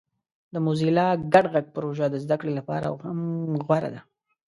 د موزیلا ګډ غږ پروژه د زده کړې لپاره هم غوره ده.